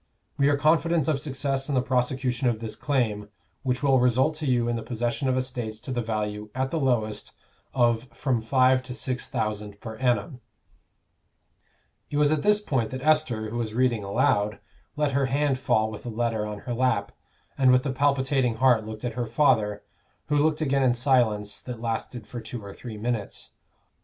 We are confident of success in the prosecution of this claim, which will result to you in the possession of estates to the value, at the lowest, of from five to six thousand per annum It was at this point that Esther, who was reading aloud, let her hand fall with the letter on her lap, and with a palpitating heart looked at her father, who looked again in silence that lasted for two or three minutes.